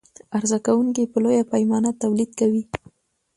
عرضه کوونکى په لویه پیمانه تولید کوي.